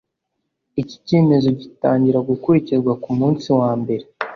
iki cyemezo gitangira gukurikizwa ku munsi wambere